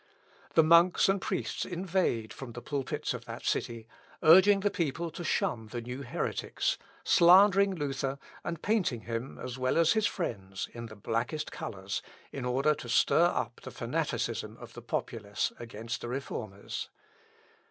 The monks and priests inveighed from the pulpits of that city, urging the people to shun the new heretics, slandering Luther, and painting him, as well as his friends, in the blackest colours, in order to stir up the fanaticism of the populace against the Reformers.